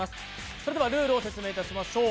それではルールを説明いたしましょう。